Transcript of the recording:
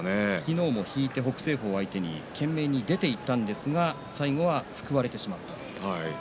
昨日は北青鵬相手に懸命に出ていったんですが最後は、すくわれてしまった。